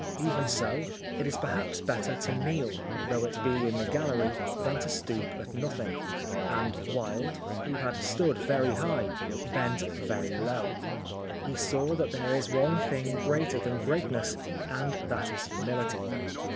Even so, it is perhaps better to kneel, though it be in the gallery, than to stoop at nothing, and Wilde, who had stood very high, bent very low. He saw that there is one thing greater than greatness and that is humility.